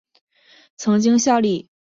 曾经效力于日本职棒千叶罗德海洋队。